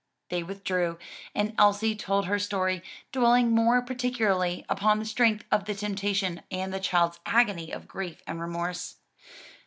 They withdrew and Elsie told her story, dwelling more particularly upon the strength of the temptation and the child's agony of grief and remorse.